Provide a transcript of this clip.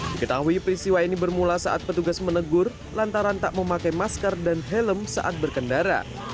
diketahui peristiwa ini bermula saat petugas menegur lantaran tak memakai masker dan helm saat berkendara